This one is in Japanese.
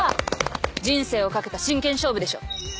人生をかけた真剣勝負でしょ。